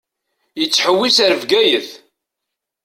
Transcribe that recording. Yettḥewwis ar Bgayet.